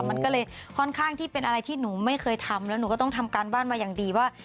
มันก็เลยค่อนข้างที่เป็นอะไรที่หนูไม่เคยทำแล้วหนูก็ต้องทำการบ้านมาอย่างดีว่า